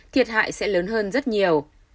thiệt hại sẽ lớn hơn rất nhiều